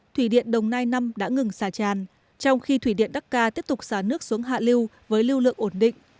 thủy điện đồng nai năm đã ngừng xà tràn trong khi thủy điện đắc ca tiếp tục xả nước xuống hạ lưu với lưu lượng ổn định